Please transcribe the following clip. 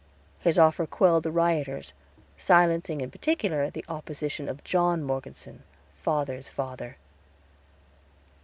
His offer quelled the rioters, silencing in particular the opposition of John Morgeson, father's father.